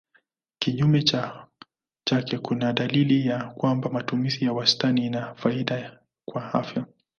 Kinyume chake kuna dalili ya kwamba matumizi ya wastani ina faida kwa afya.